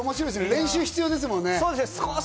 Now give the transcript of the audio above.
練習必要ですもんね。